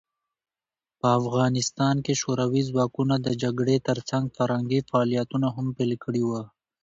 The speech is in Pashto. په افغانستان کې شوروي ځواکونه د جګړې ترڅنګ فرهنګي فعالیتونه هم پیل کړي وو.